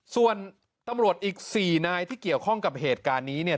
ส่วนตำรวจอีก๔นายที่เกี่ยวข้องกับเหตุการณ์นี้เนี่ย